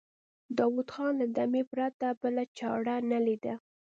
داوود خان له دمې پرته بله چاره نه ليده.